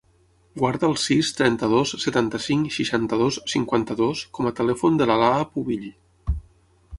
Guarda el sis, trenta-dos, setanta-cinc, seixanta-dos, cinquanta-dos com a telèfon de l'Alaa Pubill.